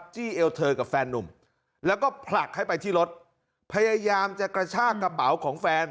เอวเธอกับแฟนนุ่มแล้วก็ผลักให้ไปที่รถพยายามจะกระชากระเป๋าของแฟน